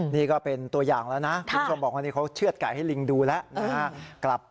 นี่ก็เป็นตัวอย่างแล้วนะคุณผู้ชมบอกว่านี่เขาเชื่อดไก่ให้ลิงดูแล้วนะครับ